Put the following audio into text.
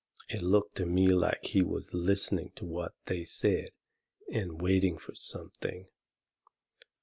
It looked to me like he was listening to what they said and waiting fur something.